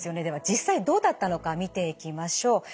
では実際にどうだったのか見ていきましょう。